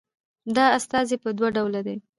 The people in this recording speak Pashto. دا استازي په دوه ډوله ده